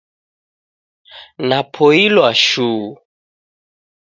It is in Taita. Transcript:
Napoilwa shuu.